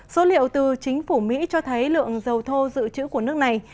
số liệu từ chính phủ mỹ cho thấy lượng dầu thô dự trữ của nước này